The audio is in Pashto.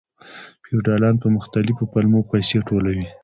فیوډالانو په مختلفو پلمو پیسې ټولولې.